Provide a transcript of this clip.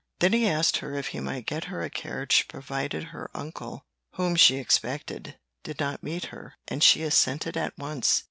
Then he asked if he might get her a carriage provided her uncle, whom she expected, did not meet her, and she assented at once.